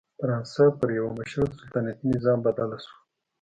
فرانسه پر یوه مشروط سلطنتي نظام بدله شوه.